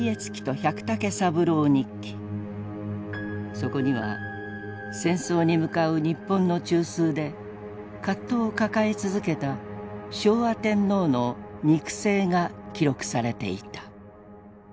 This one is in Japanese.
そこには戦争に向かう日本の中枢で葛藤を抱え続けた昭和天皇の肉声が記録されていた。